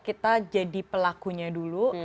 kita jadi pelakunya dulu